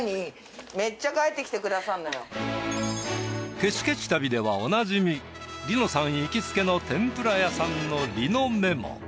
ケチケチ旅ではおなじみ梨乃さん行きつけの天ぷら屋さんの梨乃メモ。